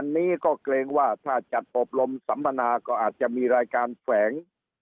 อันนี้ก็เกรงว่าถ้าจัดอบรมสัมมนาก็อาจจะมีรายการแฝง